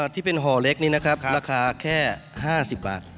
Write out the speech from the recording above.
ที่เป็นห่อเล็กนี้นะครับราคาแค่๕๐บาท